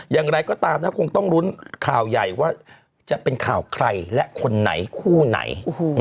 อย่างไรก็ตามนะคงต้องลุ้นข่าวใหญ่ว่าจะเป็นข่าวใครและคนไหนคู่ไหน